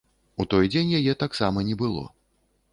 У той дзень яе таксама не было.